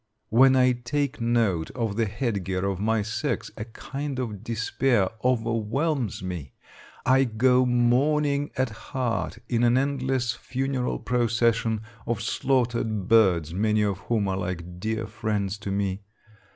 When I take note of the head gear of my sex a kind of despair overwhelms me. I go mourning at heart in an endless funeral procession of slaughtered birds, many of whom are like dear friends to me.